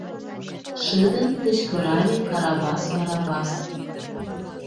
— шыдын кычкырале Карабас Барабас.